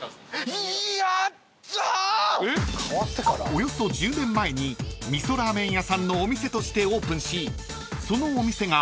［およそ１０年前に味噌ラーメン屋さんのお店としてオープンしそのお店が